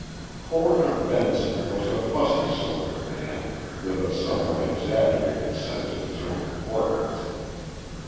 Coroner Benson was a fussy sort of man, with a somewhat exaggerated sense of his own importance.